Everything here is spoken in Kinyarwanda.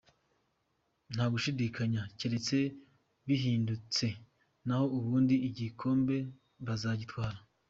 Nta gushidikanya, keretse bihindutse naho ubundi igikombe bazagitwara.